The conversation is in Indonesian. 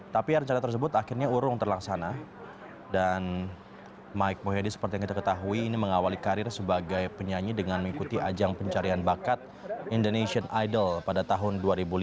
tapi rencana tersebut akhirnya urung terlaksana dan mike mohede seperti yang kita ketahui ini mengawali karir sebagai penyanyi dengan mengikuti ajang pencarian bakat indonesian idol pada tahun dua ribu lima belas